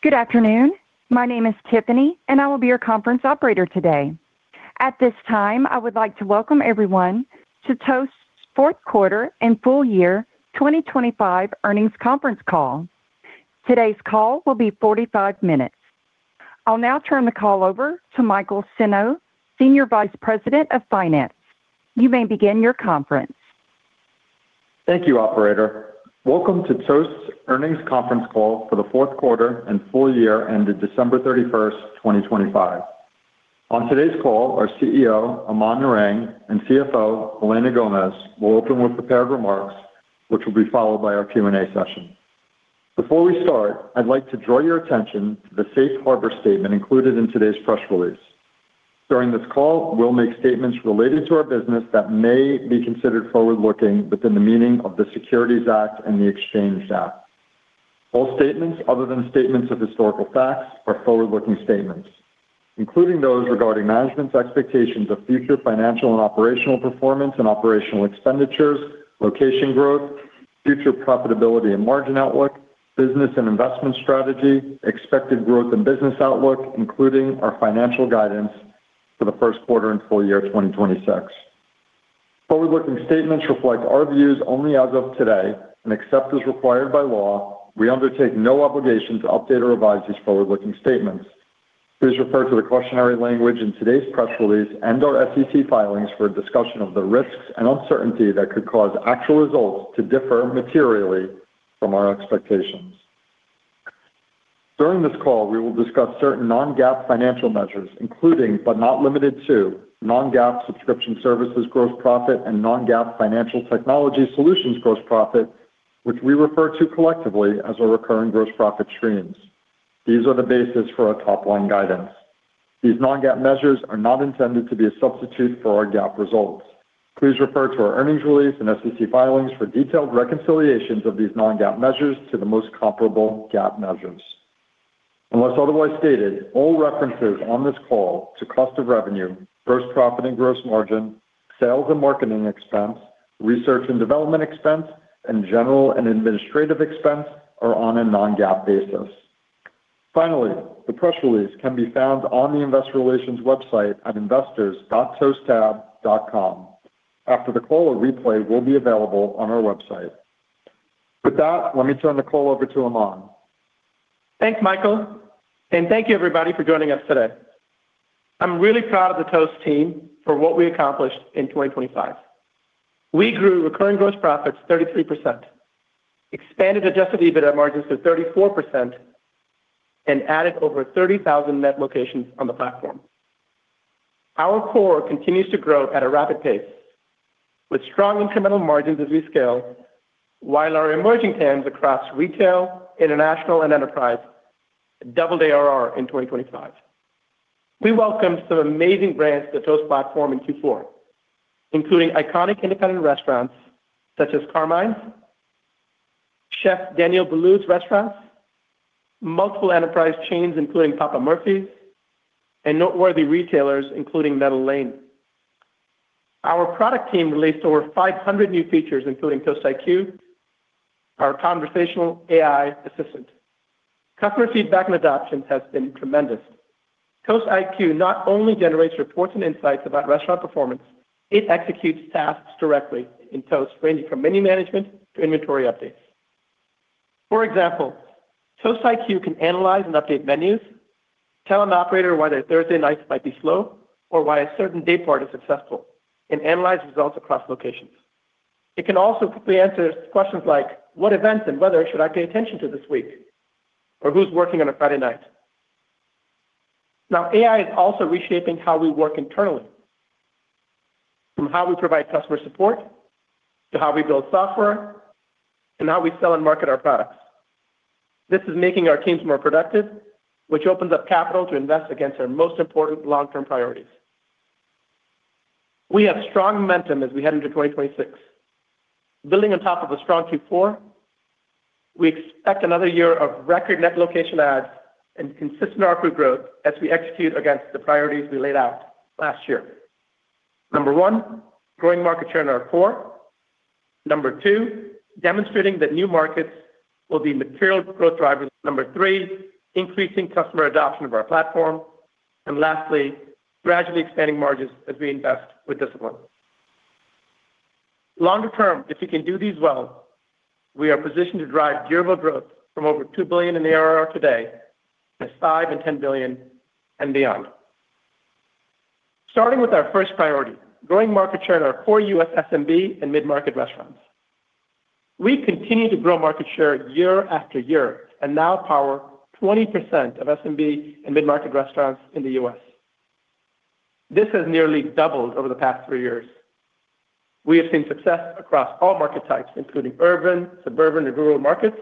Good afternoon. My name is Tiffany, and I will be your conference operator today. At this time, I would like to welcome everyone to Toast's fourth quarter and full year 2025 earnings conference call. Today's call will be 45 minutes. I'll now turn the call over to Michael Senno, Senior Vice President of Finance. You may begin your conference. Thank you, operator. Welcome to Toast's earnings conference call for the fourth quarter and full year ended December 31, 2025. On today's call, our CEO, Aman Narang, and CFO, Elena Gomez, will open with prepared remarks, which will be followed by our Q&A session. Before we start, I'd like to draw your attention to the safe harbor statement included in today's press release. During this call, we'll make statements related to our business that may be considered forward-looking within the meaning of the Securities Act and the Exchange Act. All statements other than statements of historical facts are forward-looking statements, including those regarding management's expectations of future financial and operational performance and operational expenditures, location growth, future profitability and margin outlook, business and investment strategy, expected growth and business outlook, including our financial guidance for the first quarter and full year 2026. Forward-looking statements reflect our views only as of today, and except as required by law, we undertake no obligation to update or revise these forward-looking statements. Please refer to the cautionary language in today's press release and our SEC filings for a discussion of the risks and uncertainty that could cause actual results to differ materially from our expectations. During this call, we will discuss certain non-GAAP financial measures, including, but not limited to, non-GAAP subscription services, gross profit, and non-GAAP financial technology solutions gross profit, which we refer to collectively as our recurring gross profit streams. These are the basis for our top-line guidance. These non-GAAP measures are not intended to be a substitute for our GAAP results. Please refer to our earnings release and SEC filings for detailed reconciliations of these non-GAAP measures to the most comparable GAAP measures. Unless otherwise stated, all references on this call to cost of revenue, gross profit and gross margin, sales and marketing expense, research and development expense, and general and administrative expense are on a non-GAAP basis. Finally, the press release can be found on the Investor Relations website at investors.toasttab.com. After the call, a replay will be available on our website. With that, let me turn the call over to Aman. Thanks, Michael, and thank you, everybody, for joining us today. I'm really proud of the Toast team for what we accomplished in 2025. We grew recurring gross profits 33%, expanded adjusted EBITDA margins to 34%, and added over 30,000 net locations on the platform. Our core continues to grow at a rapid pace, with strong incremental margins as we scale, while our emerging TAMs across retail, international, and enterprise doubled ARR in 2025. We welcomed some amazing brands to Toast platform in Q4, including iconic independent restaurants such as Carmine's, Chef Daniel Boulud's restaurants, multiple enterprise chains, including Papa Murphy's, and noteworthy retailers, including Meadow Lane. Our product team released over 500 new features, including Toast IQ, our conversational AI assistant. Customer feedback and adoption has been tremendous. Toast IQ not only generates reports and insights about restaurant performance, it executes tasks directly in Toast, ranging from menu management to inventory updates. For example, Toast IQ can analyze and update menus, tell an operator why their Thursday nights might be slow or why a certain day part is successful, and analyze results across locations. It can also quickly answer questions like, "What events and weather should I pay attention to this week?" Or, "Who's working on a Friday night?" Now, AI is also reshaping how we work internally, from how we provide customer support to how we build software and how we sell and market our products. This is making our teams more productive, which opens up capital to invest against our most important long-term priorities. We have strong momentum as we head into 2026. Building on top of a strong Q4, we expect another year of record net location adds and consistent ARPU growth as we execute against the priorities we laid out last year. Number one, growing market share in our core. Number two, demonstrating that new markets will be material growth drivers. Number three, increasing customer adoption of our platform. And lastly, gradually expanding margins as we invest with discipline. Longer term, if we can do these well, we are positioned to drive year-over-year growth from over $2 billion in the ARR today to $5 billion and $10 billion and beyond. Starting with our first priority, growing market share in our core U.S. SMB and mid-market restaurants. We continue to grow market share year after year and now power 20% of SMB and mid-market restaurants in the U.S. This has nearly doubled over the past three years. We have seen success across all market types, including urban, suburban, and rural markets,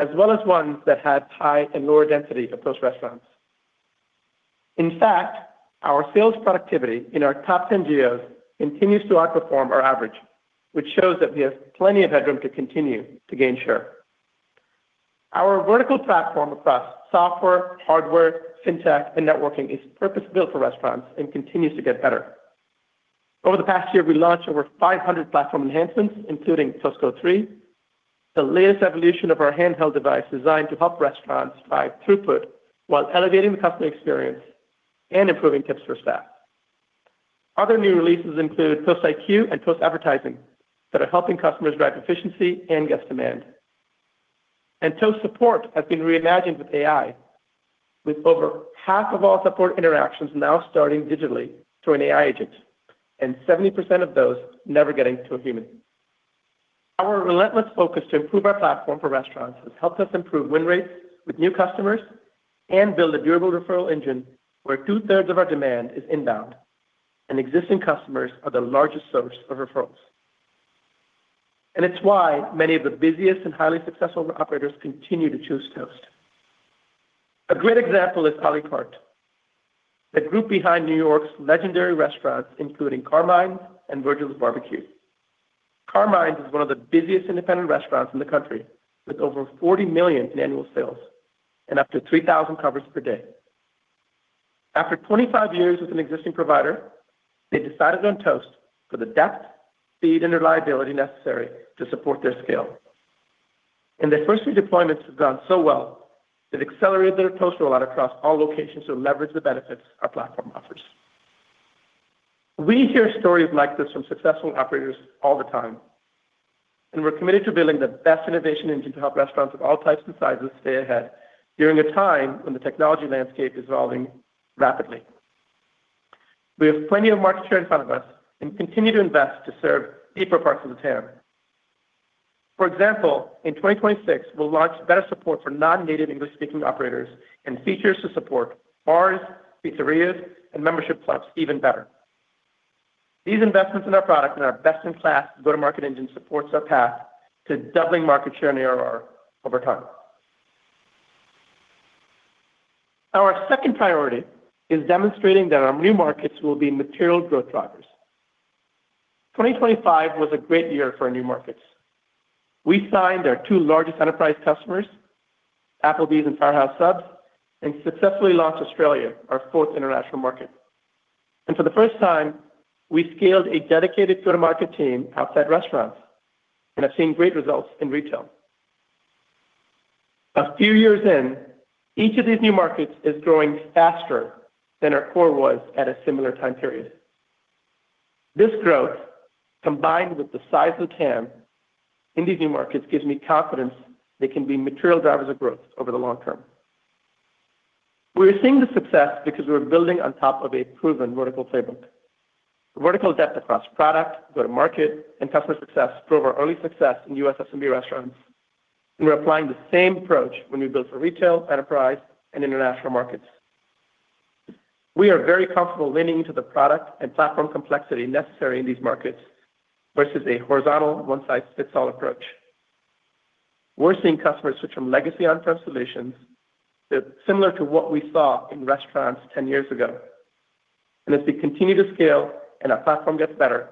as well as ones that had high and lower density of those restaurants. In fact, our sales productivity in our top 10 geos continues to outperform our average, which shows that we have plenty of headroom to continue to gain share. Our vertical platform across software, hardware, fintech, and networking is purpose-built for restaurants and continues to get better. Over the past year, we launched over 500 platform enhancements, including Toast Go 3, the latest evolution of our handheld device designed to help restaurants drive throughput while elevating the customer experience and improving tips for staff. Other new releases include Toast IQ and Toast Advertising that are helping customers drive efficiency and guest demand. And Toast Support has been reimagined with AI, with over half of all support interactions now starting digitally through an AI agent, and 70% of those never getting to a human. Our relentless focus to improve our platform for restaurants has helped us improve win rates with new customers and build a durable referral engine where two-thirds of our demand is inbound, and existing customers are the largest source of referrals. And it's why many of the busiest and highly successful operators continue to choose Toast. A great example is Alicart, the group behind New York's legendary restaurants, including Carmine's and Virgil's Barbecue. Carmine's is one of the busiest independent restaurants in the country, with over $40 million in annual sales and up to 3,000 covers per day. After 25 years with an existing provider, they decided on Toast for the depth, speed, and reliability necessary to support their scale. Their first 3 deployments have gone so well, that accelerated their Toast rollout across all locations to leverage the benefits our platform offers. We hear stories like this from successful operators all the time, and we're committed to building the best innovation engine to help restaurants of all types and sizes stay ahead during a time when the technology landscape is evolving rapidly. We have plenty of market share in front of us and continue to invest to serve deeper parts of the TAM. For example, in 2026, we'll launch better support for non-native English-speaking operators and features to support bars, pizzerias, and membership clubs even better. These investments in our product and our best-in-class go-to-market engine supports our path to doubling market share and ARR over time. Our second priority is demonstrating that our new markets will be material growth drivers. 2025 was a great year for our new markets. We signed our two largest enterprise customers, Applebee's and Firehouse Subs, and successfully launched Australia, our fourth international market. And for the first time, we scaled a dedicated go-to-market team outside restaurants and have seen great results in retail. A few years in, each of these new markets is growing faster than our core was at a similar time period. This growth, combined with the size of TAM in these new markets, gives me confidence they can be material drivers of growth over the long term. We are seeing this success because we're building on top of a proven vertical playbook. Vertical depth across product, go-to-market, and customer success drove our early success in U.S. SMB restaurants, and we're applying the same approach when we build for retail, enterprise, and international markets. We are very comfortable leaning into the product and platform complexity necessary in these markets versus a horizontal, one-size-fits-all approach. We're seeing customers switch from legacy on-prem solutions that's similar to what we saw in restaurants 10 years ago. And as we continue to scale and our platform gets better,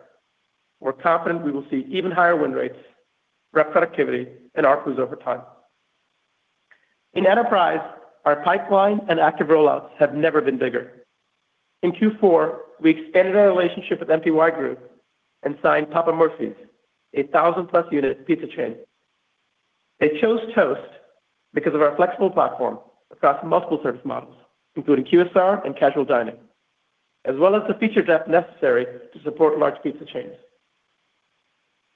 we're confident we will see even higher win rates, rep productivity, and ARPU over time. In enterprise, our pipeline and active rollouts have never been bigger. In Q4, we expanded our relationship with MTY Group and signed Papa Murphy's, a 1,000-plus unit pizza chain. They chose Toast because of our flexible platform across multiple service models, including QSR and casual dining, as well as the feature depth necessary to support large pizza chains.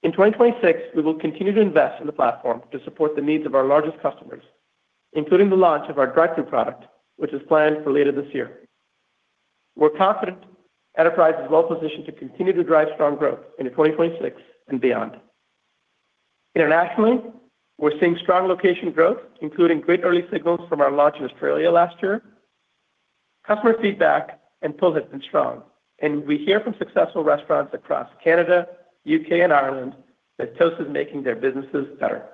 In 2026, we will continue to invest in the platform to support the needs of our largest customers, including the launch of our drive-thru product, which is planned for later this year. We're confident Enterprise is well positioned to continue to drive strong growth into 2026 and beyond. Internationally, we're seeing strong location growth, including great early signals from our launch in Australia last year. Customer feedback and pull has been strong, and we hear from successful restaurants across Canada, U.K., and Ireland that Toast is making their businesses better.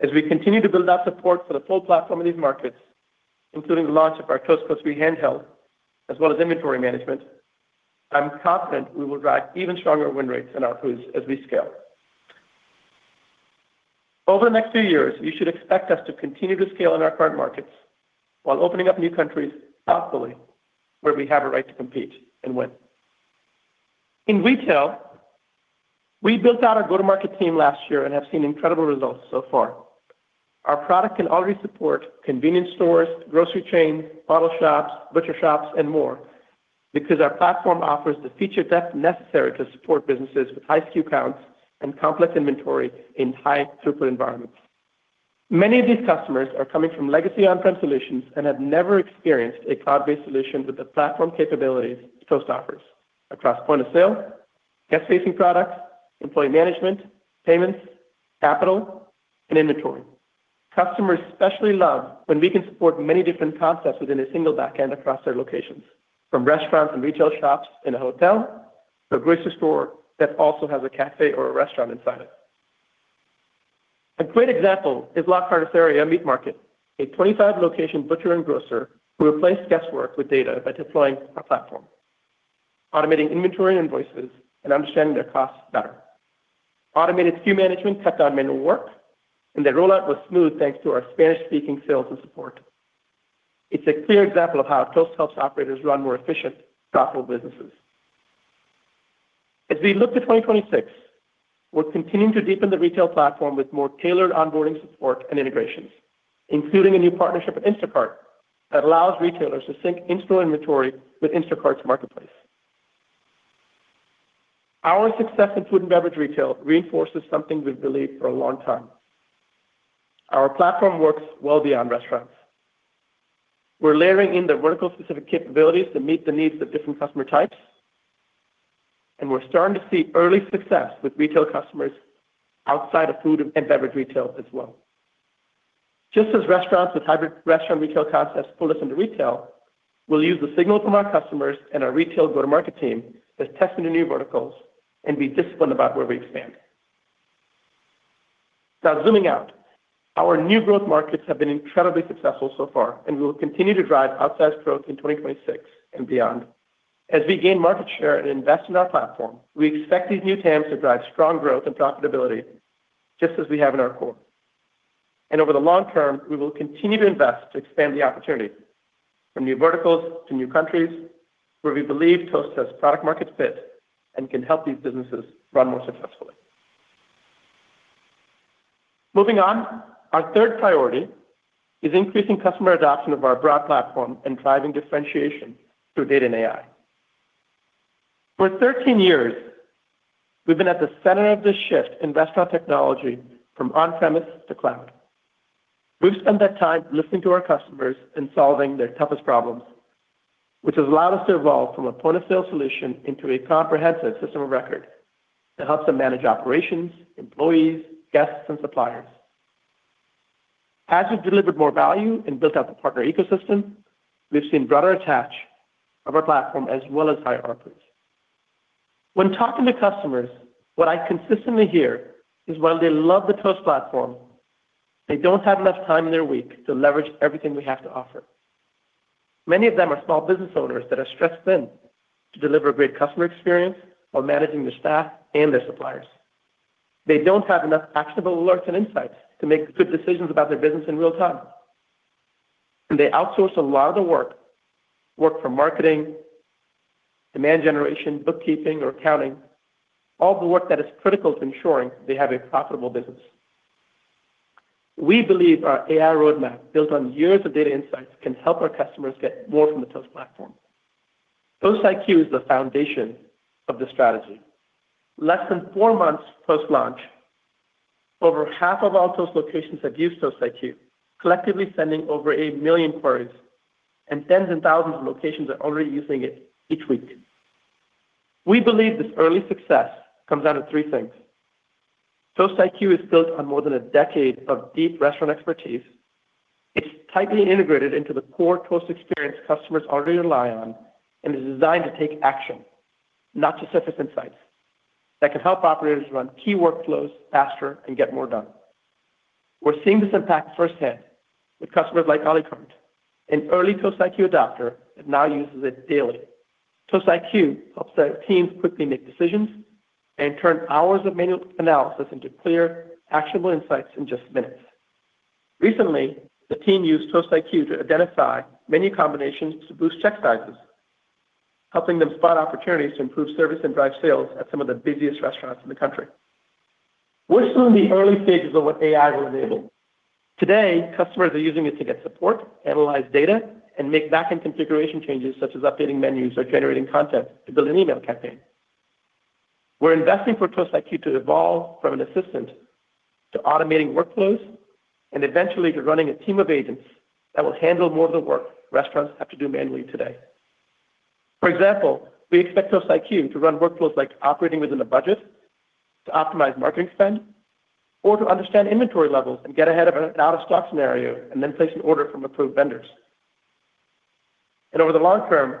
As we continue to build out support for the full platform in these markets, including the launch of our Toast Go 3 handheld, as well as inventory management, I'm confident we will drive even stronger win rates and ARPUs as we scale. Over the next few years, you should expect us to continue to scale in our current markets while opening up new countries thoughtfully, where we have a right to compete and win. In retail, we built out our go-to-market team last year and have seen incredible results so far. Our product can already support convenience stores, grocery chains, bottle shops, butcher shops, and more because our platform offers the feature depth necessary to support businesses with high SKU counts and complex inventory in high-throughput environments. Many of these customers are coming from legacy on-prem solutions and have never experienced a cloud-based solution with the platform capabilities Toast offers across point of sale, guest-facing products, employee management, payments, capital, and inventory. Customers especially love when we can support many different concepts within a single backend across their locations, from restaurants and retail shops in a hotel to a grocery store that also has a café or a restaurant inside it. A great example is La Carniceria Meat Market, a 25-location butcher and grocer who replaced guesswork with data by deploying our platform, automating inventory and invoices, and understanding their costs better. Automated SKU management cut down manual work, and their rollout was smooth, thanks to our Spanish-speaking sales and support. It's a clear example of how Toast helps operators run more efficient, profitable businesses. As we look to 2026, we're continuing to deepen the retail platform with more tailored onboarding support and integrations, including a new partnership with Instacart that allows retailers to sync in-store inventory with Instacart's marketplace. Our success in food and beverage retail reinforces something we've believed for a long time: our platform works well beyond restaurants. We're layering in the vertical-specific capabilities to meet the needs of different customer types, and we're starting to see early success with retail customers outside of food and beverage retail as well. Just as restaurants with hybrid restaurant retail concepts pulled us into retail, we'll use the signal from our customers and our retail go-to-market team that's testing the new verticals, and be disciplined about where we expand. Now, zooming out, our new growth markets have been incredibly successful so far, and we will continue to drive outsized growth in 2026 and beyond. As we gain market share and invest in our platform, we expect these new TAMs to drive strong growth and profitability, just as we have in our core. Over the long term, we will continue to invest to expand the opportunity from new verticals to new countries where we believe Toast has product-market fit and can help these businesses run more successfully. Moving on, our third priority is increasing customer adoption of our broad platform and driving differentiation through data and AI. For 13 years, we've been at the center of the shift in restaurant technology from on-premise to cloud. We've spent that time listening to our customers and solving their toughest problems, which has allowed us to evolve from a point-of-sale solution into a comprehensive system of record that helps them manage operations, employees, guests, and suppliers. As we've delivered more value and built out the partner ecosystem, we've seen broader attach of our platform as well as high ARPU. When talking to customers, what I consistently hear is while they love the Toast platform, they don't have enough time in their week to leverage everything we have to offer. Many of them are small business owners that are stretched thin to deliver a great customer experience while managing their staff and their suppliers. They don't have enough actionable alerts and insights to make good decisions about their business in real time. They outsource a lot of the work from marketing, demand generation, bookkeeping, or accounting, all the work that is critical to ensuring they have a profitable business. We believe our AI roadmap, built on years of data insights, can help our customers get more from the Toast platform. Toast IQ is the foundation of this strategy. Less than 4 months post-launch, over half of all Toast locations have used Toast IQ, collectively sending over 1 million queries, and tens of thousands of locations are already using it each week. We believe this early success comes down to 3 things. Toast IQ is built on more than a decade of deep restaurant expertise. It's tightly integrated into the core Toast experience customers already rely on, and is designed to take action, not just surface insights that can help operators run key workflows faster and get more done. We're seeing this impact firsthand with customers like Ollie Current, an early Toast IQ adopter, and now uses it daily. Toast IQ helps their teams quickly make decisions and turn hours of manual analysis into clear, actionable insights in just minutes. Recently, the team used Toast IQ to identify menu combinations to boost check sizes, helping them spot opportunities to improve service and drive sales at some of the busiest restaurants in the country. We're still in the early stages of what AI will enable. Today, customers are using it to get support, analyze data, and make backend configuration changes, such as updating menus or generating content to build an email campaign. We're investing for Toast IQ to evolve from an assistant to automating workflows, and eventually to running a team of agents that will handle more of the work restaurants have to do manually today. For example, we expect Toast IQ to run workflows like operating within a budget, to optimize marketing spend, or to understand inventory levels and get ahead of an out-of-stock scenario, and then place an order from approved vendors. Over the long term,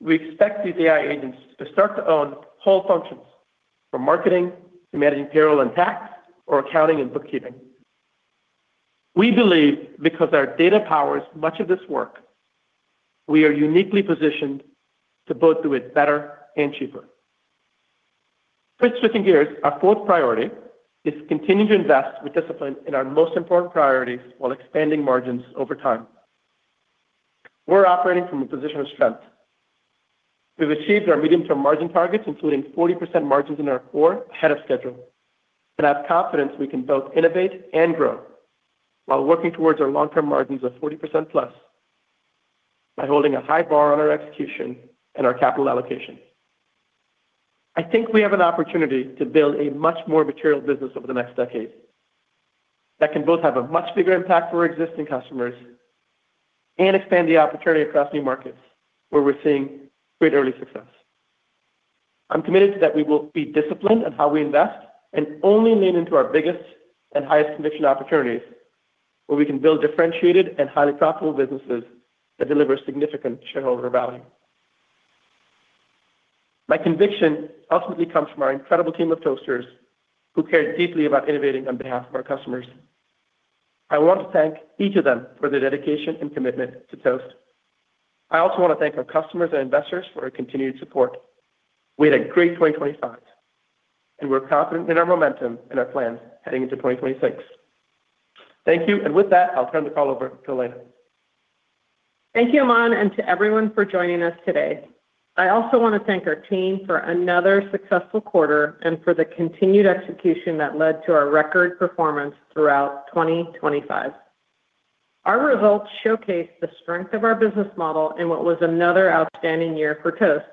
we expect these AI agents to start to own whole functions, from marketing to managing payroll and tax or accounting and bookkeeping. We believe because our data powers much of this work, we are uniquely positioned to both do it better and cheaper. Switch, switching gears, our fourth priority is to continue to invest with discipline in our most important priorities while expanding margins over time. We're operating from a position of strength. We've achieved our medium-term margin targets, including 40% margins in our core ahead of schedule, and have confidence we can both innovate and grow while working towards our long-term margins of 40%+ by holding a high bar on our execution and our capital allocation. I think we have an opportunity to build a much more material business over the next decade that can both have a much bigger impact for our existing customers and expand the opportunity across new markets where we're seeing great early success. I'm committed to that we will be disciplined in how we invest and only lean into our biggest and highest conviction opportunities, where we can build differentiated and highly profitable businesses that deliver significant shareholder value. My conviction ultimately comes from our incredible team of Toasters, who care deeply about innovating on behalf of our customers. I want to thank each of them for their dedication and commitment to Toast. I also want to thank our customers and investors for their continued support. We had a great 2025 and we're confident in our momentum and our plans heading into 2026. Thank you, and with that, I'll turn the call over to Elena. Thank you, Aman, and to everyone for joining us today. I also want to thank our team for another successful quarter and for the continued execution that led to our record performance throughout 2025. Our results showcase the strength of our business model in what was another outstanding year for Toast.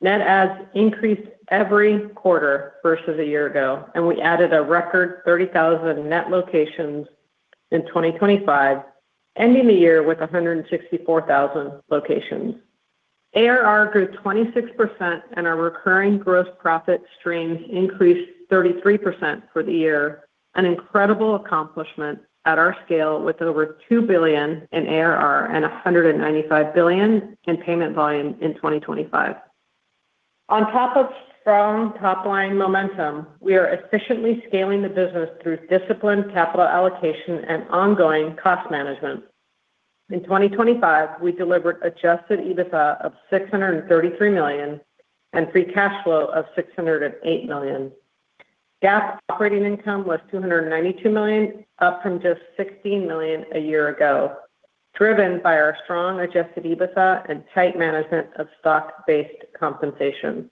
Net adds increased every quarter versus a year ago, and we added a record 30,000 net locations in 2025, ending the year with 164,000 locations. ARR grew 26%, and our recurring gross profit streams increased 33% for the year, an incredible accomplishment at our scale, with over $2 billion in ARR and $195 billion in payment volume in 2025. On top of strong top-line momentum, we are efficiently scaling the business through disciplined capital allocation and ongoing cost management. In 2025, we delivered Adjusted EBITDA of $633 million and free cash flow of $608 million. GAAP operating income was $292 million, up from just $16 million a year ago, driven by our strong Adjusted EBITDA and tight management of stock-based compensation.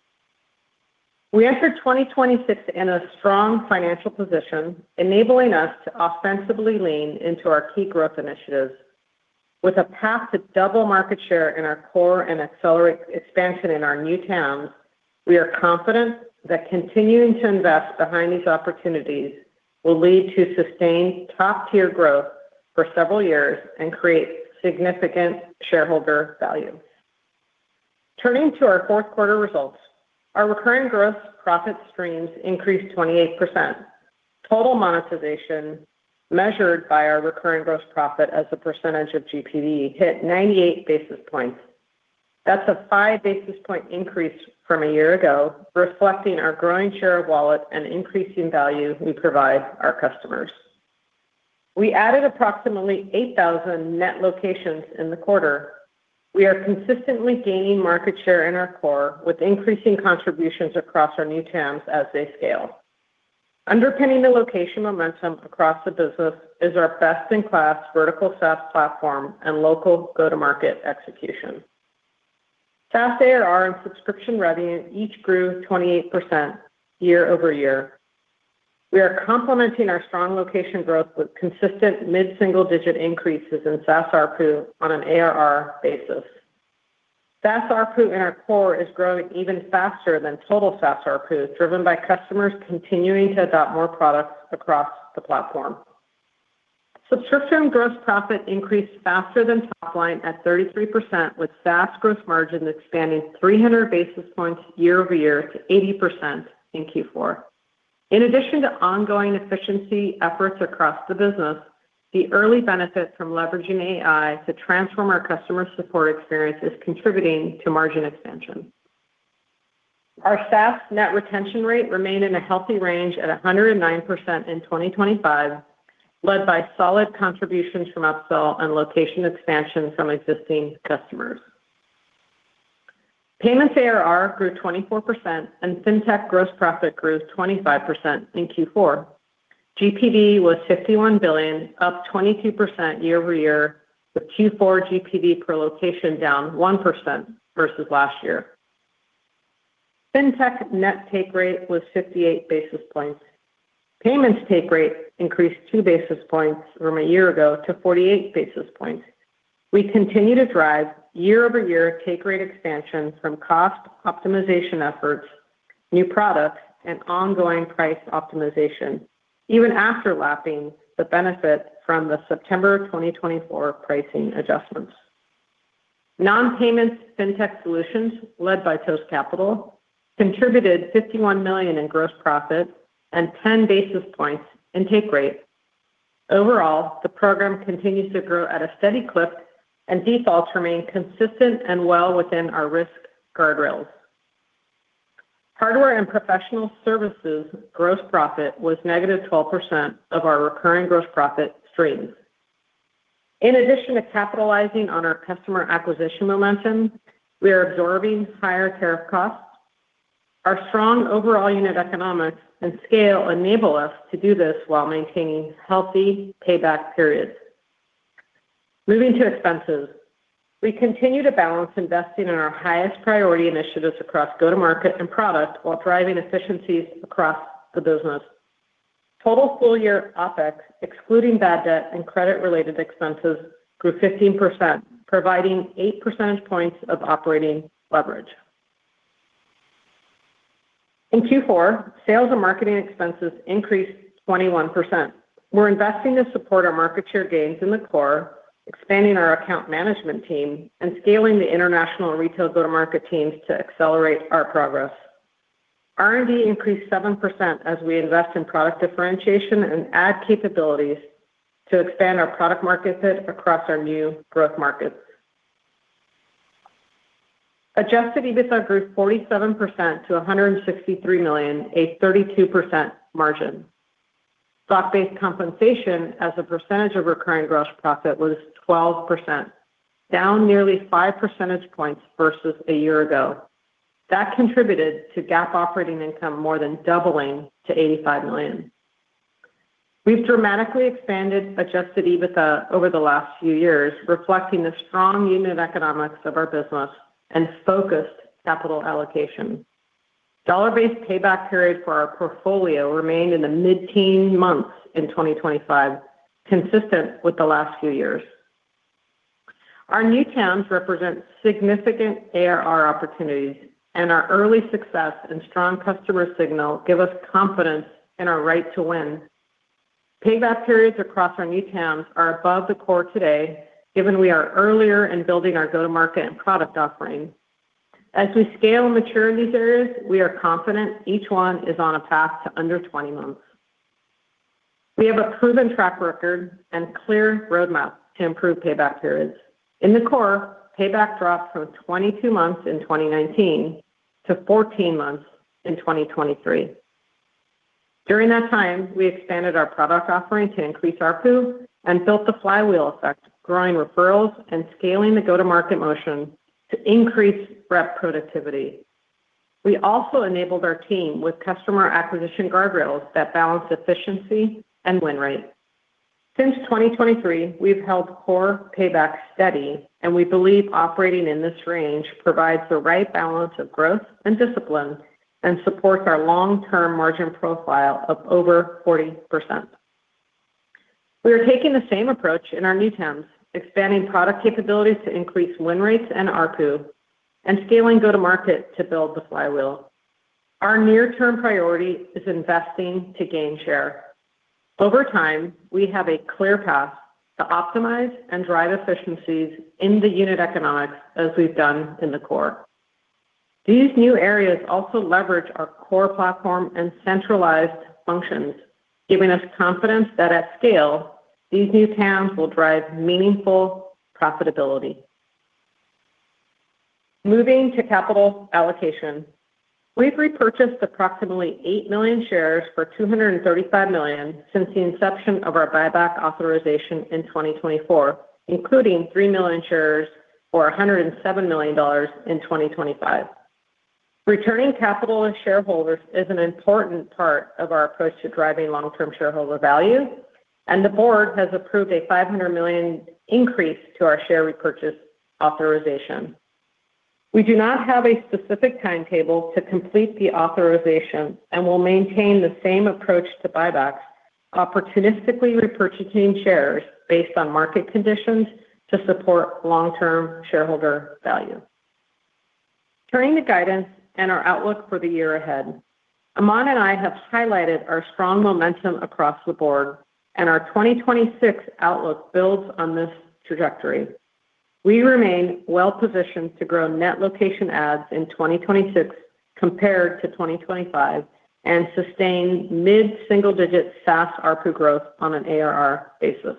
We entered 2026 in a strong financial position, enabling us to offensively lean into our key growth initiatives. With a path to double market share in our core and accelerate expansion in our new TAMs, we are confident that continuing to invest behind these opportunities will lead to sustained top-tier growth for several years and create significant shareholder value. Turning to our fourth quarter results, our recurring gross profit streams increased 28%. Total monetization, measured by our recurring gross profit as a percentage of GPV, hit 98 basis points. That's a 5 basis point increase from a year ago, reflecting our growing share of wallet and increasing value we provide our customers. We added approximately 8,000 net locations in the quarter. We are consistently gaining market share in our core, with increasing contributions across our new TAMs as they scale. Underpinning the location momentum across the business is our best-in-class vertical SaaS platform and local go-to-market execution. SaaS ARR and subscription revenue each grew 28% year-over-year. We are complementing our strong location growth with consistent mid-single-digit increases in SaaS ARPU on an ARR basis. SaaS ARPU in our core is growing even faster than total SaaS ARPU, driven by customers continuing to adopt more products across the platform. Subscription gross profit increased faster than top line at 33%, with SaaS gross margin expanding 300 basis points year-over-year to 80% in Q4. In addition to ongoing efficiency efforts across the business, the early benefit from leveraging AI to transform our customer support experience is contributing to margin expansion. Our SaaS net retention rate remained in a healthy range at 109% in 2025, led by solid contributions from upsell and location expansion from existing customers. Payments ARR grew 24%, and Fintech gross profit grew 25% in Q4. GPV was $51 billion, up 22% year-over-year, with Q4 GPV per location down 1% versus last year. Fintech net take rate was 58 basis points. Payments take rate increased 2 basis points from a year ago to 48 basis points. We continue to drive year-over-year take rate expansion from cost optimization efforts, new products, and ongoing price optimization, even after lapping the benefit from the September 2024 pricing adjustments. Non-payments fintech solutions, led by Toast Capital, contributed $51 million in gross profit and 10 basis points in take rate. Overall, the program continues to grow at a steady clip, and defaults remain consistent and well within our risk guardrails. Hardware and professional services gross profit was -12% of our recurring gross profit streams. In addition to capitalizing on our customer acquisition momentum, we are absorbing higher tariff costs. Our strong overall unit economics and scale enable us to do this while maintaining healthy payback periods. Moving to expenses. We continue to balance investing in our highest priority initiatives across go-to-market and product while driving efficiencies across the business. Total full-year OpEx, excluding bad debt and credit-related expenses, grew 15%, providing 8 percentage points of operating leverage. In Q4, sales and marketing expenses increased 21%. We're investing to support our market share gains in the core, expanding our account management team, and scaling the international and retail go-to-market teams to accelerate our progress. R&D increased 7% as we invest in product differentiation and add capabilities to expand our product market fit across our new growth markets. Adjusted EBITDA grew 47% to $163 million, a 32% margin. Stock-based compensation as a percentage of recurring gross profit was 12%, down nearly 5 percentage points versus a year ago. That contributed to GAAP operating income more than doubling to $85 million. We've dramatically expanded adjusted EBITDA over the last few years, reflecting the strong unit economics of our business and focused capital allocation. Dollar-based payback period for our portfolio remained in the mid-teen months in 2025, consistent with the last few years. Our new TAMs represent significant ARR opportunities, and our early success and strong customer signal give us confidence in our right to win. Payback periods across our new TAMs are above the core today, given we are earlier in building our go-to-market and product offering. As we scale and mature in these areas, we are confident each one is on a path to under 20 months. We have a proven track record and clear roadmap to improve payback periods. In the core, payback dropped from 22 months in 2019 to 14 months in 2023. During that time, we expanded our product offering to increase ARPU and built the flywheel effect, growing referrals and scaling the go-to-market motion to increase rep productivity. We also enabled our team with customer acquisition guardrails that balance efficiency and win rate. Since 2023, we've held core payback steady, and we believe operating in this range provides the right balance of growth and discipline, and supports our long-term margin profile of over 40%. We are taking the same approach in our new TAMs, expanding product capabilities to increase win rates and ARPU, and scaling go-to-market to build the flywheel. Our near-term priority is investing to gain share. Over time, we have a clear path to optimize and drive efficiencies in the unit economics as we've done in the core. These new areas also leverage our core platform and centralized functions, giving us confidence that at scale, these new TAMs will drive meaningful profitability. Moving to capital allocation. We've repurchased approximately 8 million shares for $235 million since the inception of our buyback authorization in 2024, including 3 million shares for $107 million in 2025. Returning capital to shareholders is an important part of our approach to driving long-term shareholder value, and the board has approved a $500 million increase to our share repurchase authorization. We do not have a specific timetable to complete the authorization and will maintain the same approach to buybacks, opportunistically repurchasing shares based on market conditions to support long-term shareholder value. Turning to guidance and our outlook for the year ahead. Aman and I have highlighted our strong momentum across the board, and our 2026 outlook builds on this trajectory. We remain well positioned to grow net location ads in 2026 compared to 2025, and sustain mid-single-digit SaaS ARPU growth on an ARR basis.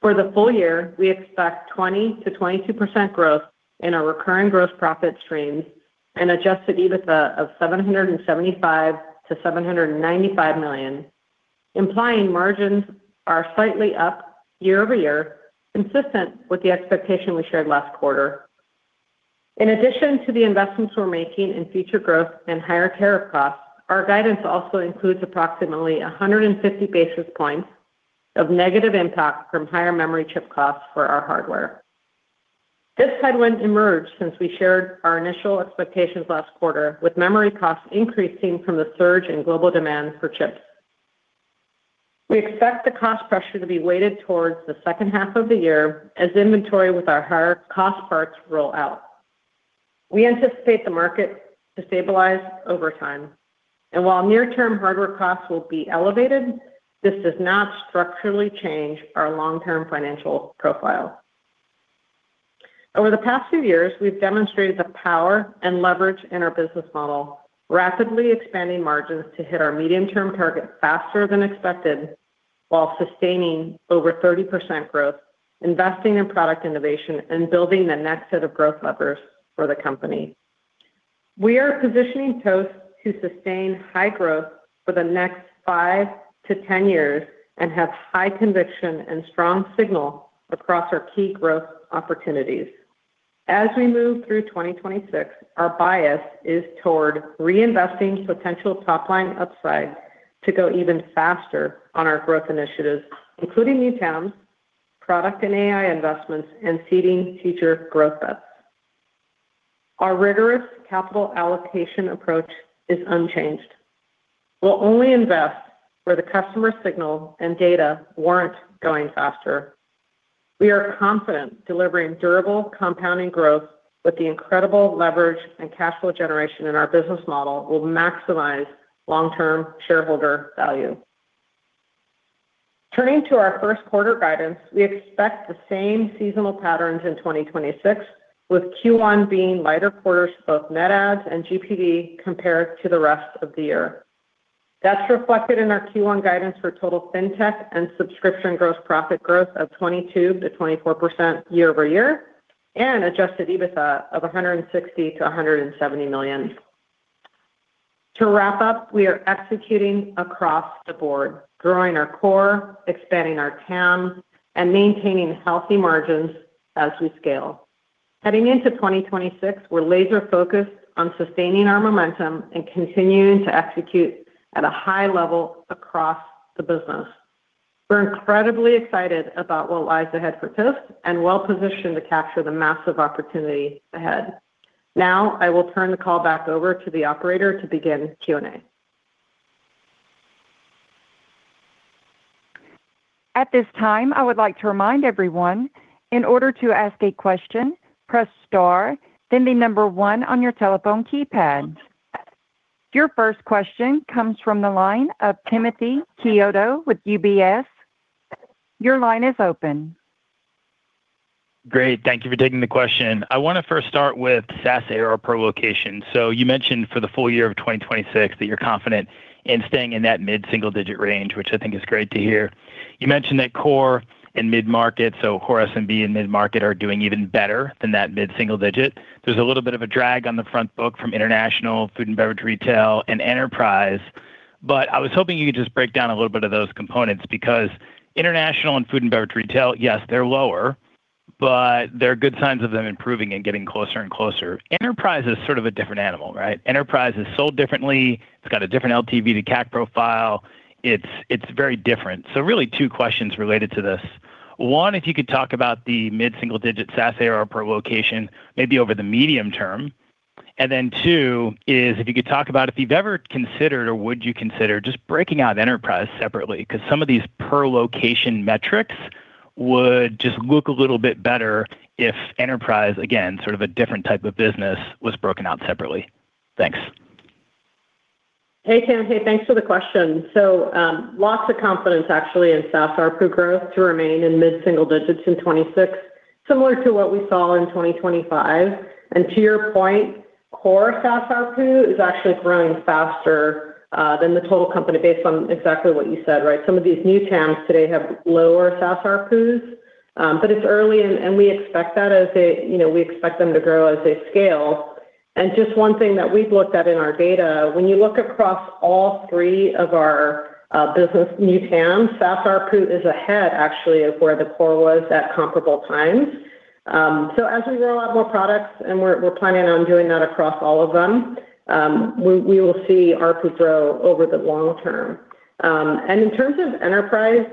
For the full year, we expect 20%-22% growth in our recurring gross profit streams and adjusted EBITDA of $775 million-$795 million, implying margins are slightly up year-over-year, consistent with the expectation we shared last quarter. In addition to the investments we're making in future growth and higher tariff costs, our guidance also includes approximately 150 basis points of negative impact from higher memory chip costs for our hardware. This headwind emerged since we shared our initial expectations last quarter, with memory costs increasing from the surge in global demand for chips. We expect the cost pressure to be weighted towards the second half of the year as inventory with our higher cost parts roll out. We anticipate the market to stabilize over time, and while near-term hardware costs will be elevated, this does not structurally change our long-term financial profile. Over the past few years, we've demonstrated the power and leverage in our business model, rapidly expanding margins to hit our medium-term target faster than expected while sustaining over 30% growth, investing in product innovation, and building the next set of growth levers for the company. We are positioning Toast to sustain high growth for the next 5-10 years and have high conviction and strong signal across our key growth opportunities. As we move through 2026, our bias is toward reinvesting potential top-line upside to go even faster on our growth initiatives, including new verticals, product and AI investments, and seeding future growth bets. Our rigorous capital allocation approach is unchanged. We'll only invest where the customer signal and data warrant going faster. We are confident delivering durable compounding growth with the incredible leverage and cash flow generation in our business model will maximize long-term shareholder value. Turning to our first quarter guidance, we expect the same seasonal patterns in 2026, with Q1 being lighter quarters for both net adds and GPV compared to the rest of the year. That's reflected in our Q1 guidance for total fintech and subscription gross profit growth of 22%-24% year-over-year, and adjusted EBITDA of $160 million-$170 million. To wrap up, we are executing across the board, growing our core, expanding our TAM, and maintaining healthy margins as we scale. Heading into 2026, we're laser focused on sustaining our momentum and continuing to execute at a high level across the business. We're incredibly excited about what lies ahead for Toast and well-positioned to capture the massive opportunity ahead. Now, I will turn the call back over to the operator to begin Q&A. At this time, I would like to remind everyone, in order to ask a question, press star, then the number one on your telephone keypad. Your first question comes from the line of Timothy Chiodo with UBS. Your line is open. Great. Thank you for taking the question. I wanna first start with SaaS ARR per location. So you mentioned for the full year of 2026 that you're confident in staying in that mid-single-digit range, which I think is great to hear. You mentioned that core and mid-market, so core SMB and mid-market, are doing even better than that mid-single digit. There's a little bit of a drag on the front book from international, food and beverage, retail, and enterprise. But I was hoping you could just break down a little bit of those components, because international and food and beverage retail, yes, they're lower, but there are good signs of them improving and getting closer and closer. Enterprise is sort of a different animal, right? Enterprise is sold differently, it's got a different LTV to CAC profile. It's, it's very different. So really two questions related to this. One, if you could talk about the mid-single-digit SaaS ARR per location, maybe over the medium term. And then two, is if you could talk about if you've ever considered or would you consider just breaking out enterprise separately? Because some of these per location metrics would just look a little bit better if enterprise, again, sort of a different type of business, was broken out separately. Thanks. Hey, Tim. Hey, thanks for the question. So, lots of confidence actually in SaaS ARPU growth to remain in mid-single digits in 2026, similar to what we saw in 2025. And to your point, core SaaS ARPU is actually growing faster than the total company based on exactly what you said, right? Some of these new TAMs today have lower SaaS ARPUs, but it's early and, and we expect that as they, you know, we expect them to grow as they scale. And just one thing that we've looked at in our data, when you look across all three of our business new TAM, SaaS ARPU is ahead, actually, of where the core was at comparable times. So as we roll out more products, and we're planning on doing that across all of them, we will see ARPU grow over the long term. And in terms of enterprise,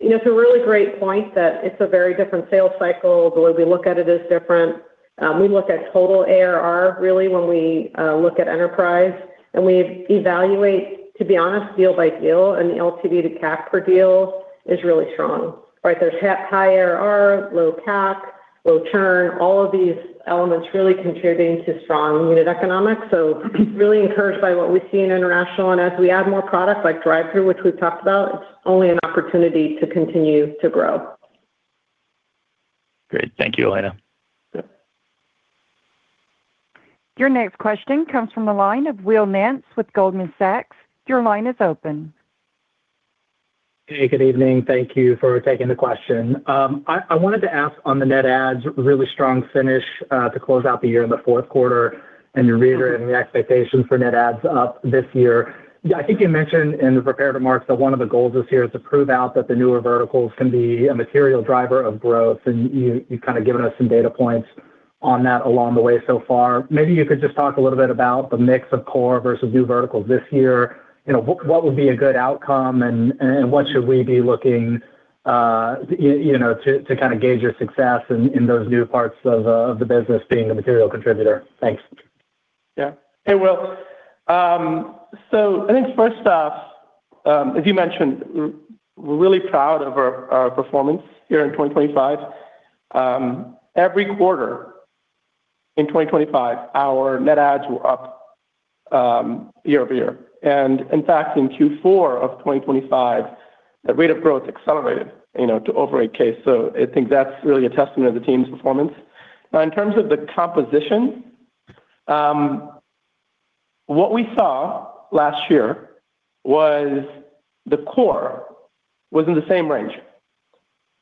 you know, it's a really great point that it's a very different sales cycle. The way we look at it is different. We look at total ARR, really, when we look at enterprise, and we evaluate, to be honest, deal by deal, and the LTV to CAC per deal is really strong. Right, there's high ARR, low CAC, low churn, all of these elements really contributing to strong unit economics. So really encouraged by what we see in international. And as we add more products like Drive-Thru, which we've talked about, it's only an opportunity to continue to grow. Great. Thank you, Elena. Your next question comes from the line of Will Nance with Goldman Sachs. Your line is open. Hey, good evening. Thank you for taking the question. I wanted to ask on the net adds, really strong finish to close out the year in the fourth quarter and you're reiterating the expectation for net adds up this year. I think you mentioned in the prepared remarks that one of the goals this year is to prove out that the newer verticals can be a material driver of growth, and you've kind of given us some data points on that along the way so far. Maybe you could just talk a little bit about the mix of core versus new verticals this year. You know, what would be a good outcome, and what should we be looking, you know, to kind of gauge your success in those new parts of the business being a material contributor? Thanks. Yeah. Hey, Will. So I think first off, as you mentioned, we're really proud of our, our performance here in 2025. Every quarter in 2025, our net adds were up year-over-year. And in fact, in Q4 of 2025, the rate of growth accelerated, you know, to over 100. So I think that's really a testament to the team's performance. Now, in terms of the composition, what we saw last year was the core was in the same range,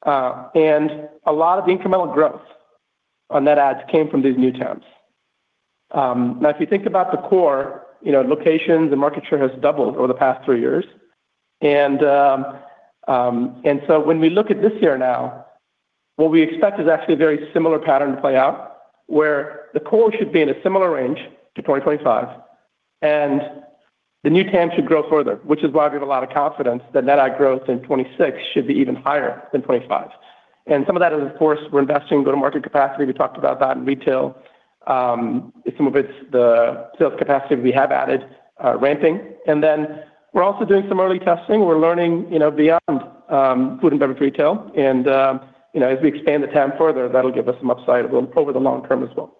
and a lot of the incremental growth on net adds came from these new TAMs. Now, if you think about the core, you know, locations and market share has doubled over the past three years. So when we look at this year now, what we expect is actually a very similar pattern to play out, where the core should be in a similar range to 2025, and the new TAM should grow further, which is why we have a lot of confidence that net add growth in 2026 should be even higher than 2025. And some of that is, of course, we're investing go-to-market capacity. We talked about that in retail. Some of it's the sales capacity we have added, ramping. And then we're also doing some early testing. We're learning, you know, beyond food and beverage retail, and you know, as we expand the TAM further, that'll give us some upside over the long term as well.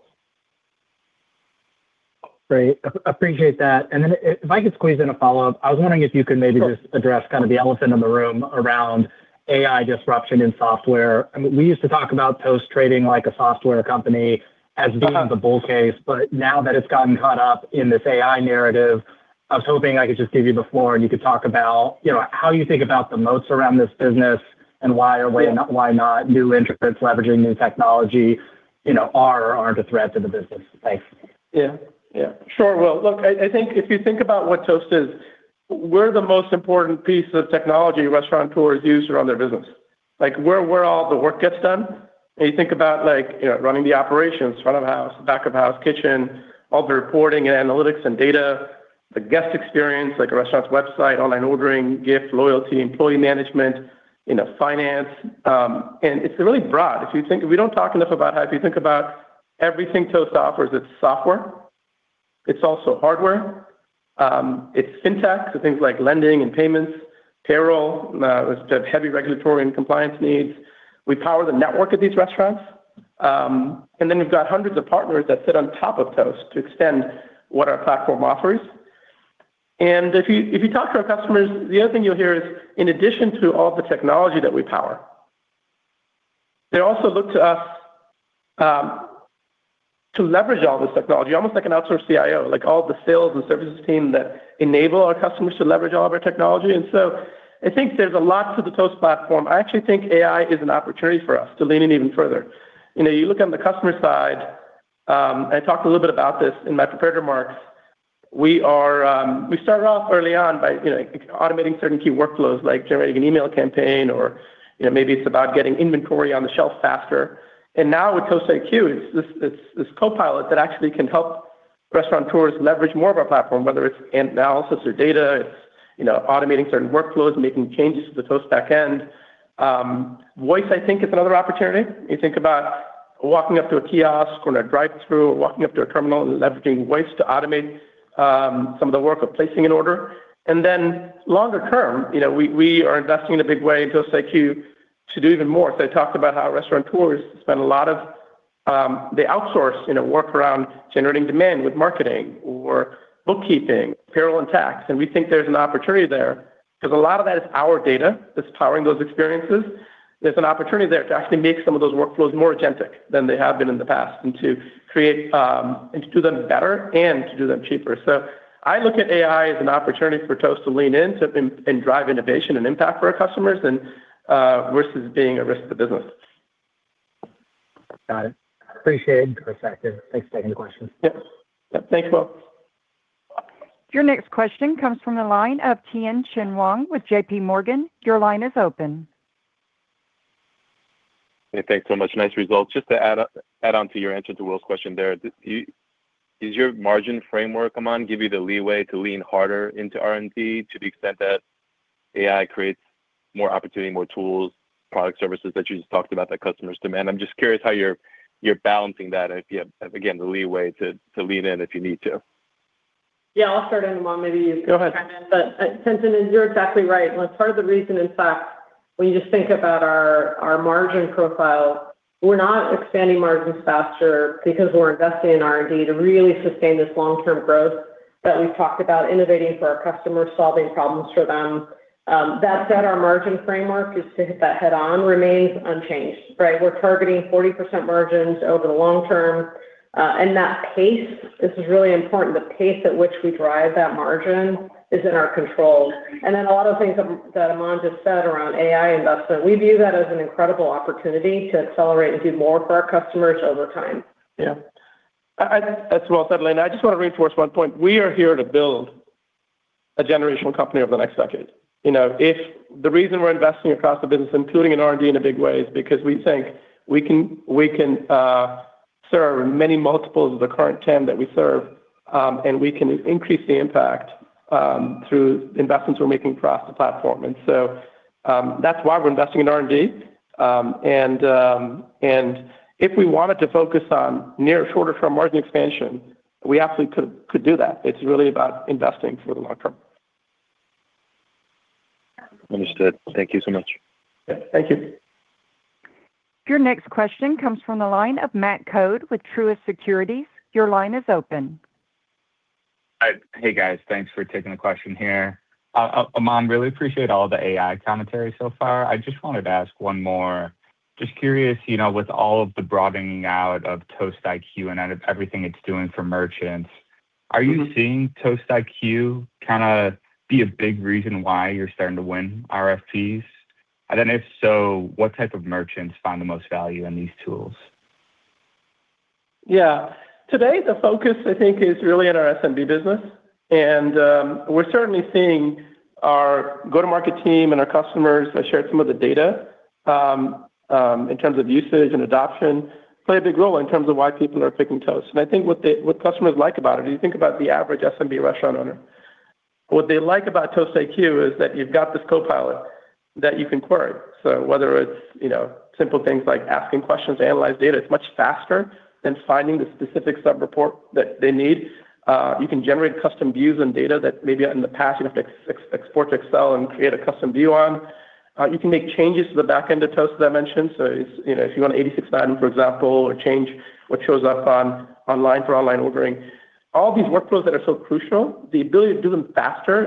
Great. Appreciate that. If I could squeeze in a follow-up, I was wondering if you could maybe just address kind of the elephant in the room around AI disruption in software. I mean, we used to talk about Toast trading like a software company as being the bull case, but now that it's gotten caught up in this AI narrative. I was hoping I could just give you before, and you could talk about, you know, how you think about the moats around this business and why or why not, why not new entrants leveraging new technology, you know, are or aren't a threat to the business? Thanks. Yeah. Yeah, sure, Will. Look, I think if you think about what Toast is, we're the most important piece of technology restaurateurs use to run their business. Like, we're where all the work gets done. And you think about, like, you know, running the operations, front of house, back of house, kitchen, all the reporting and analytics and data, the guest experience, like a restaurant's website, online ordering, gift, loyalty, employee management, you know, finance, and it's really broad. If you think we don't talk enough about how if you think about everything Toast offers, it's software, it's also hardware, it's fintech, so things like lending and payments, payroll, with the heavy regulatory and compliance needs. We power the network of these restaurants, and then we've got hundreds of partners that sit on top of Toast to extend what our platform offers. And if you talk to our customers, the other thing you'll hear is, in addition to all the technology that we power, they also look to us to leverage all this technology, almost like an outsourced CIO, like all the sales and services team that enable our customers to leverage all of our technology. And so I think there's a lot to the Toast platform. I actually think AI is an opportunity for us to lean in even further. You know, you look on the customer side, I talked a little bit about this in my prepared remarks, we are, we started off early on by, you know, automating certain key workflows, like generating an email campaign, or, you know, maybe it's about getting inventory on the shelf faster. And now with Toast IQ, it's this copilot that actually can help restaurateurs leverage more of our platform, whether it's analysis or data, it's, you know, automating certain workflows, making changes to the Toast backend. Voice, I think, is another opportunity. You think about walking up to a kiosk or in a drive-thru, or walking up to a terminal and leveraging voice to automate some of the work of placing an order. And then longer term, you know, we are investing in a big way in Toast IQ to do even more. So I talked about how restaurateurs spend a lot of, they outsource, you know, work around generating demand with marketing or bookkeeping, payroll and tax, and we think there's an opportunity there because a lot of that is our data that's powering those experiences. There's an opportunity there to actually make some of those workflows more agentic than they have been in the past, and to create and to do them better and to do them cheaper. So I look at AI as an opportunity for Toast to lean in to, and drive innovation and impact for our customers and versus being a risk to business. Got it. Appreciate it, Aman. Thanks for taking the question. Yep. Yep, thanks, Will. Your next question comes from the line of Tien-tsin Huang with JPMorgan. Your line is open. Hey, thanks so much. Nice results. Just to add on to your answer to Will's question there, does your margin framework, Aman, give you the leeway to lean harder into R&D to the extent that AI creates more opportunity, more tools, product services that you just talked about that customers demand? I'm just curious how you're balancing that if you have, again, the leeway to lean in, if you need to. Yeah, I'll start in Aman, maybe you- Go ahead. But, Tien-tsin, you're exactly right. Well, part of the reason, in fact, when you just think about our margin profile, we're not expanding margins faster because we're investing in R&D to really sustain this long-term growth that we've talked about, innovating for our customers, solving problems for them. That said, our margin framework is to hit that head on remains unchanged, right? We're targeting 40% margins over the long term, and that pace, this is really important, the pace at which we drive that margin is in our control. And then a lot of things that Aman just said around AI investment, we view that as an incredible opportunity to accelerate and do more for our customers over time. Yeah. I, as Will said, Elena, I just want to reinforce one point. We are here to build a generational company over the next decade. You know, if the reason we're investing across the business, including in R&D in a big way, is because we think we can serve many multiples of the current 10 that we serve, and we can increase the impact through investments we're making across the platform. And so, that's why we're investing in R&D. And if we wanted to focus on near shorter-term margin expansion, we absolutely could do that. It's really about investing for the long term. Understood. Thank you so much. Yeah. Thank you. Your next question comes from the line of Matt Coad with Truist Securities. Your line is open. Hi. Hey, guys. Thanks for taking the question here. Aman, really appreciate all the AI commentary so far. I just wanted to ask one more. Just curious, you know, with all of the broadening out of Toast IQ and out of everything it's doing for merchants, are you seeing Toast IQ kind of be a big reason why you're starting to win RFPs? And then if so, what type of merchants find the most value in these tools? Yeah. Today, the focus, I think, is really in our SMB business, and, we're certainly seeing our go-to-market team and our customers. I shared some of the data in terms of usage and adoption. They play a big role in terms of why people are picking Toast. And I think what they-- what customers like about it, if you think about the average SMB restaurant owner, what they like about Toast IQ is that you've got this copilot that you can query. So whether it's, you know, simple things like asking questions, analyze data, it's much faster than finding the specific sub-report that they need. You can generate custom views and data that maybe in the past you'd have to export to Excel and create a custom view on. You can make changes to the backend of Toast, as I mentioned. So it's, you know, if you want to eighty-six that, for example, or change what shows up on online for online ordering. All these workflows that are so crucial, the ability to do them faster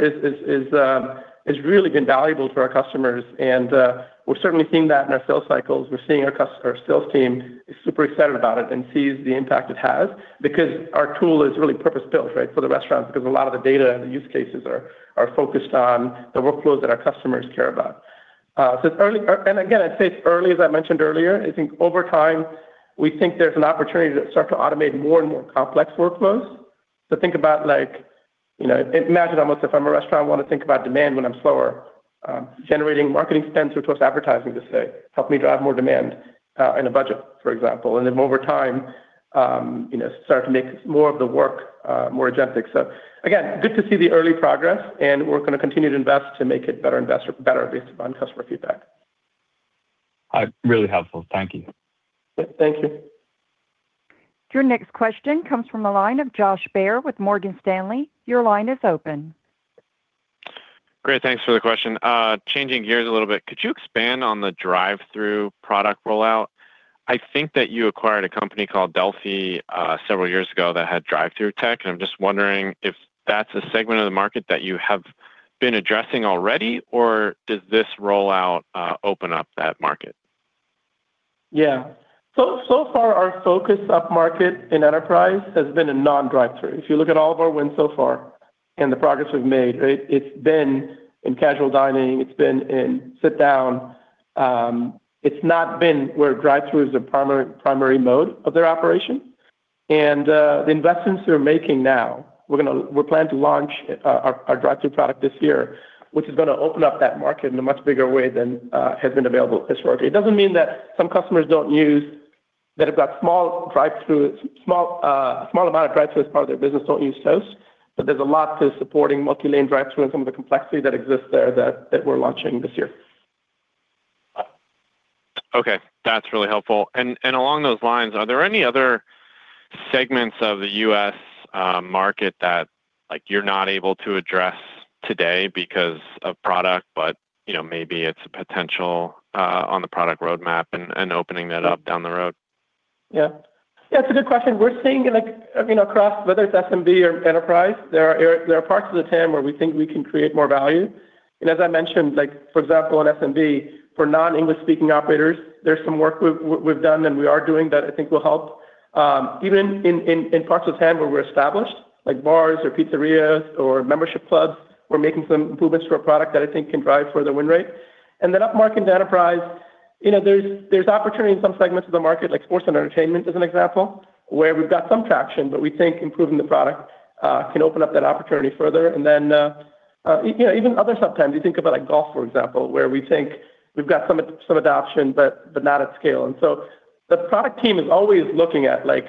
has really been valuable for our customers, and we're certainly seeing that in our sales cycles. We're seeing our sales team is super excited about it and sees the impact it has because our tool is really purpose-built, right, for the restaurants, because a lot of the data and the use cases are focused on the workflows that our customers care about. So it's early. And again, I'd say it's early, as I mentioned earlier. I think over time we think there's an opportunity to start to automate more and more complex workflows. So think about like, you know, imagine almost if I'm a restaurant, I want to think about demand when I'm slower, generating marketing spend towards advertising to say, "Help me drive more demand, in a budget," for example. And then over time, you know, start to make more of the work, more agnostic. So again, good to see the early progress, and we're gonna continue to invest to make it better investor- better, based upon customer feedback. Really helpful. Thank you. Thank you. Your next question comes from the line of Josh Baer with Morgan Stanley. Your line is open. Great, thanks for the question. Changing gears a little bit, could you expand on the drive-through product rollout? I think that you acquired a company called Delphi, several years ago that had drive-through tech, and I'm just wondering if that's a segment of the market that you have been addressing already, or does this rollout open up that market? Yeah. So, so far our focus upmarket in enterprise has been in non-drive-through. If you look at all of our wins so far and the progress we've made, right, it's been in casual dining, it's been in sit-down. It's not been where drive-through is the primary, primary mode of their operation. And, the investments we're making now, we're gonna-- we're planning to launch our, our drive-through product this year, which is gonna open up that market in a much bigger way than, has been available historically. It doesn't mean that some customers don't use-- that have got small drive-throughs, small, small amount of drive-through as part of their business don't use Toast, but there's a lot to supporting multi-lane drive-through and some of the complexity that exists there that, that we're launching this year. Okay, that's really helpful. And, and along those lines, are there any other segments of the U.S., market that, like, you're not able to address today because of product, but, you know, maybe it's a potential, on the product roadmap and, and opening that up down the road? Yeah. Yeah, it's a good question. We're seeing, like, I mean, across whether it's SMB or enterprise, there are parts of the TAM where we think we can create more value. And as I mentioned, like for example, in SMB, for non-English speaking operators, there's some work we've done and we are doing that I think will help. Even in parts of TAM where we're established, like bars or pizzerias or membership clubs, we're making some improvements to our product that I think can drive further win rate. And then upmarket and enterprise, you know, there's opportunity in some segments of the market, like sports and entertainment as an example, where we've got some traction, but we think improving the product can open up that opportunity further. And then, you know, even other sub-TAMs, you think about like golf, for example, where we think we've got some adoption, but not at scale. And so the product team is always looking at, like,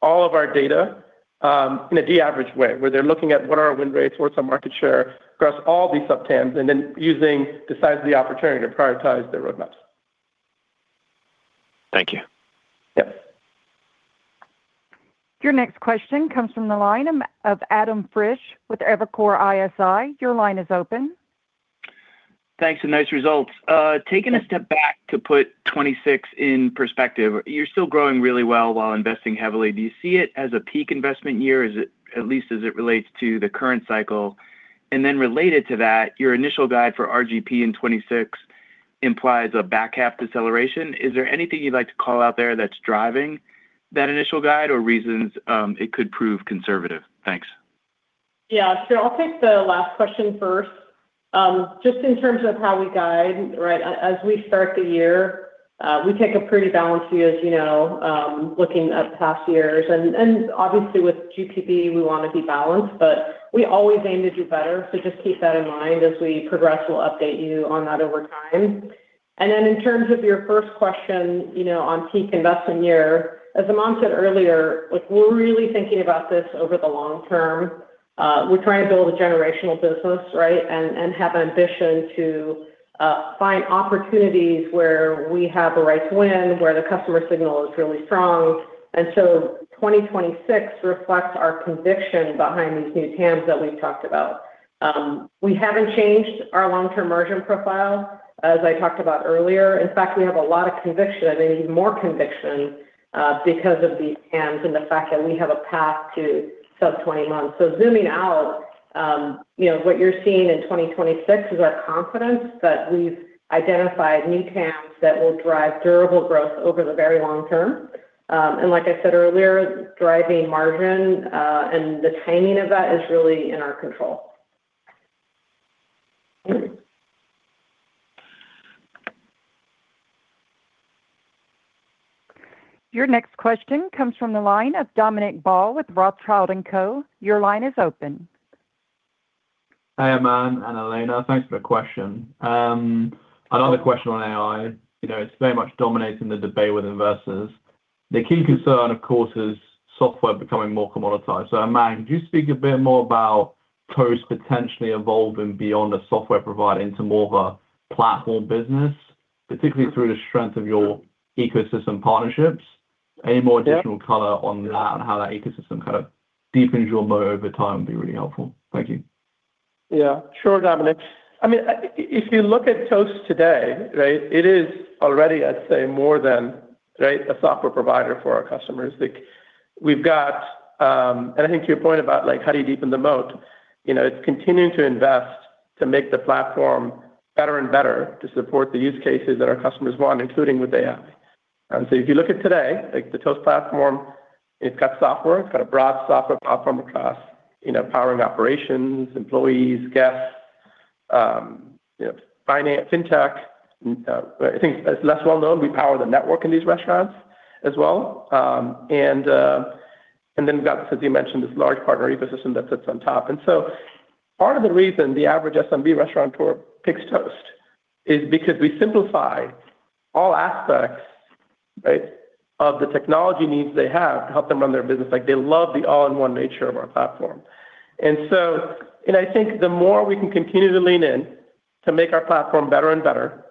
all of our data, in a de-average way, where they're looking at what are our win rates, what's our market share across all these sub-TAMs, and then using the size of the opportunity to prioritize their roadmaps. Thank you. Yes. Your next question comes from the line of Adam Frisch with Evercore ISI. Your line is open. Thanks, and nice results. Taking a step back to put 2026 in perspective, you're still growing really well while investing heavily. Do you see it as a peak investment year? Is it, at least as it relates to the current cycle? And then related to that, your initial guide for RGP in 2026 implies a back half deceleration. Is there anything you'd like to call out there that's driving that initial guide or reasons it could prove conservative? Thanks. Yeah, sure. I'll take the last question first. Just in terms of how we guide, right? As we start the year, we take a pretty balanced view, as you know, looking at past years. And obviously with GPV, we want to be balanced, but we always aim to do better. Just keep that in mind as we progress. We'll update you on that over time. And then in terms of your first question, you know, on peak investment year, as Aman said earlier, like, we're really thinking about this over the long term. We're trying to build a generational business, right? And have an ambition to find opportunities where we have the right to win, where the customer signal is really strong. And so 2026 reflects our conviction behind these new TAMs that we've talked about. We haven't changed our long-term margin profile, as I talked about earlier. In fact, we have a lot of conviction, I think even more conviction, because of these TAMs and the fact that we have a path to sub-twenty months. So zooming out, you know, what you're seeing in 2026 is our confidence that we've identified new TAMs that will drive durable growth over the very long term. And like I said earlier, driving margin, and the timing of that is really in our control. Your next question comes from the line of Dominic Ball with Rothschild & Co. Your line is open. Hi, Aman and Elena. Thanks for the question. Another question on AI. You know, it's very much dominating the debate with investors. The key concern, of course, is software becoming more commoditized. So Aman, could you speak a bit more about Toast potentially evolving beyond a software provider into more of a platform business, particularly through the strength of your ecosystem partnerships? Any more additional color on that and how that ecosystem kind of deepens your moat over time would be really helpful. Thank you. Yeah, sure, Dominic. I mean, if you look at Toast today, right, it is already, I'd say, more than, right, a software provider for our customers. Like, we've got. And I think to your point about, like, how do you deepen the moat? You know, it's continuing to invest to make the platform better and better to support the use cases that our customers want, including what they have.... And so if you look at today, like the Toast platform, it's got software. It's got a broad software platform across, you know, powering operations, employees, guests, you know, finance, fintech. I think it's less well known, we power the network in these restaurants as well. And then we've got, as you mentioned, this large partner ecosystem that sits on top. And so part of the reason the average SMB restaurateur picks Toast is because we simplify all aspects, right, of the technology needs they have to help them run their business. Like, they love the all-in-one nature of our platform. And so, and I think the more we can continue to lean in to make our platform better and better,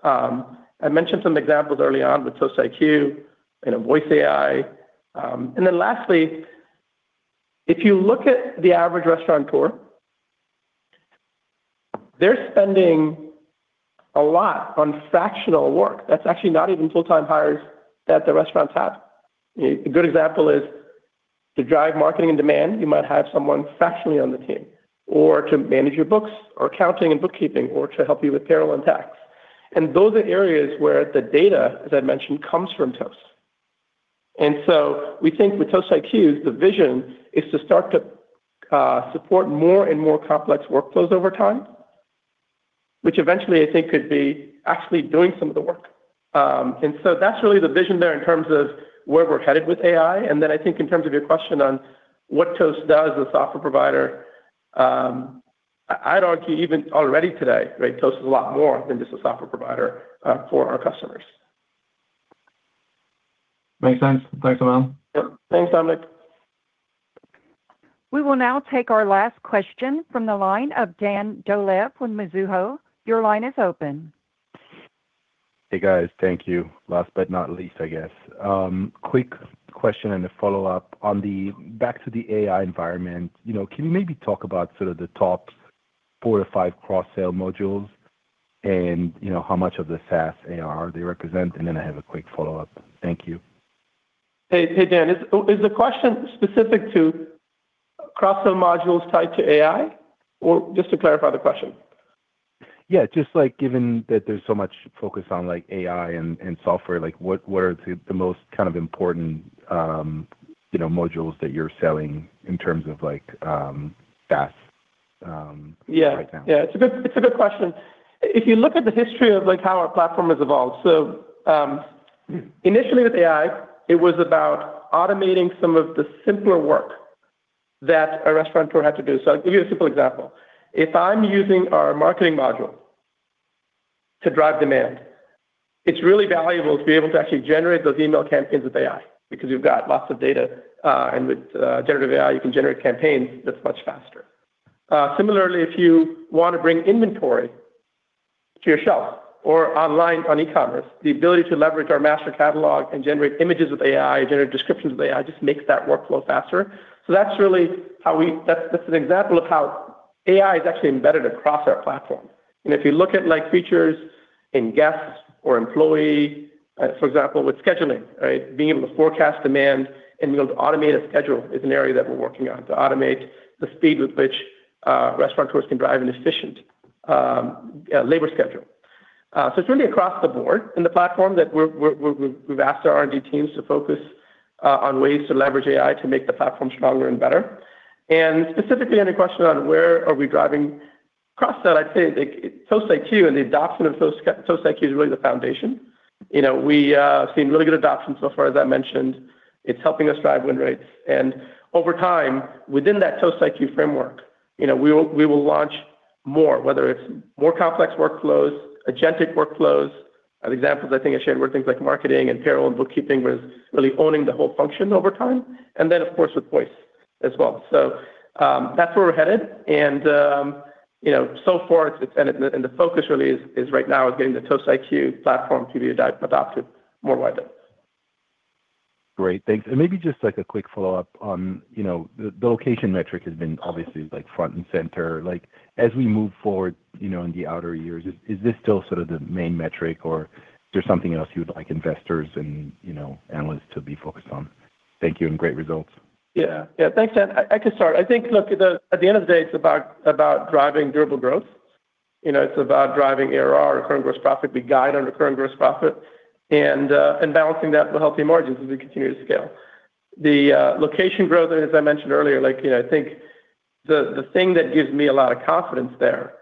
I mentioned some examples early on with Toast IQ and a voice AI. And then lastly, if you look at the average restaurateur, they're spending a lot on fractional work. That's actually not even full-time hires that the restaurants have. A good example is to drive marketing and demand, you might have someone fractionally on the team, or to manage your books, or accounting and bookkeeping, or to help you with payroll and tax. And those are areas where the data, as I mentioned, comes from Toast. We think with Toast IQ, the vision is to start to support more and more complex workflows over time, which eventually, I think, could be actually doing some of the work. That's really the vision there in terms of where we're headed with AI. Then I think in terms of your question on what Toast does as a software provider, I'd argue even already today, right, Toast is a lot more than just a software provider for our customers. Makes sense. Thanks a lot. Yep. Thanks, Aman. We will now take our last question from the line of Dan Dolev with Mizuho. Your line is open. Hey, guys. Thank you. Last but not least, I guess. Quick question and a follow-up on the back to the AI environment, you know, can you maybe talk about sort of the top four to five cross-sell modules and, you know, how much of the SaaS ARR they represent? And then I have a quick follow-up. Thank you. Hey, Dan. Is the question specific to cross-sell modules tied to AI? Or just to clarify the question. Yeah, just like given that there's so much focus on, like, AI and software, like what are the most kind of important, you know, modules that you're selling in terms of, like, SaaS, right now? Yeah. Yeah, it's a good, it's a good question. If you look at the history of, like, how our platform has evolved, so, initially with AI, it was about automating some of the simpler work that a restaurateur had to do. So I'll give you a simple example. If I'm using our marketing module to drive demand, it's really valuable to be able to actually generate those email campaigns with AI, because we've got lots of data, and with generative AI, you can generate campaigns that's much faster. Similarly, if you want to bring inventory to your shelf or online on e-commerce, the ability to leverage our master catalog and generate images with AI, generate descriptions with AI, just makes that workflow faster. So that's really how that's, that's an example of how AI is actually embedded across our platform. If you look at, like, features in guests or employee, for example, with scheduling, right? Being able to forecast demand and be able to automate a schedule is an area that we're working on, to automate the speed with which restaurateurs can drive an efficient labor schedule. So it's really across the board in the platform that we've asked our R&D teams to focus on ways to leverage AI to make the platform stronger and better. And specifically on your question on where are we driving cross-sell, I'd say, like, Toast IQ and the adoption of Toast IQ is really the foundation. You know, we have seen really good adoption so far, as I mentioned. It's helping us drive win rates. And over time, within that Toast IQ framework, you know, we will, we will launch more, whether it's more complex workflows, agentic workflows. The examples I think I shared were things like marketing and payroll and bookkeeping, where it's really owning the whole function over time, and then, of course, with voice as well. So, that's where we're headed. And, you know, so far it's, and the focus really is right now is getting the Toast IQ platform to be adopted more widely. Great. Thanks. And maybe just, like, a quick follow-up on, you know, the location metric has been obviously, like, front and center. Like, as we move forward, you know, in the outer years, is this still sort of the main metric, or there's something else you'd like investors and, you know, analysts to be focused on? Thank you, and great results. Yeah. Yeah, thanks, Dan. I, I can start. I think, look, at the end of the day, it's about driving durable growth. You know, it's about driving ARR, recurring gross profit. We guide on recurring gross profit and balancing that with healthy margins as we continue to scale. The location growth, and as I mentioned earlier, like, you know, I think the thing that gives me a lot of confidence there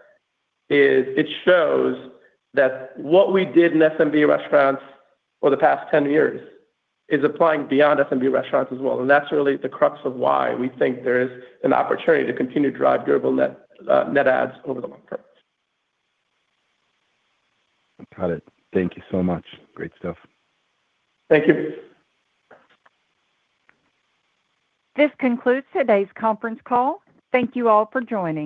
is it shows that what we did in SMB restaurants for the past 10 years is applying beyond SMB restaurants as well. And that's really the crux of why we think there is an opportunity to continue to drive durable net adds over the long term. Got it. Thank you so much. Great stuff. Thank you. This concludes today's conference call. Thank you all for joining.